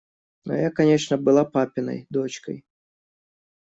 Но я, конечно, была папиной дочкой.